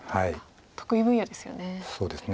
得意分野ですよね。